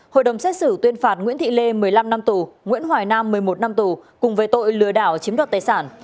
hội đồng xét xử tuyên phạt nguyễn thị lê một mươi năm năm tù nguyễn hoài nam một mươi một năm tù cùng với tội lừa đảo chiếm đoạt tài sản